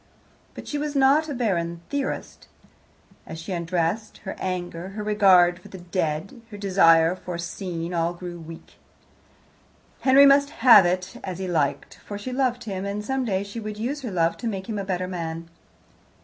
But she was not a bargain theorist. As she undressed, her anger, her regard for the dead, her desire for a scene, all grew weak. Henry must have it as he liked, for she loved him, and some day she would use her love to make him a better man.